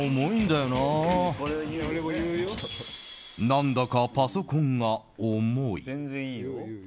何だかパソコンが重い。